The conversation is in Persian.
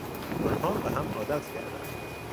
آنها به هم عادت کردند.